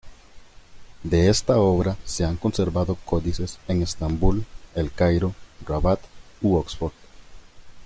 De esta obra se han conservado códices en Estambul, El Cairo, Rabat u Oxford.